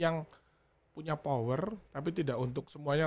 yang punya power tapi tidak untuk semuanya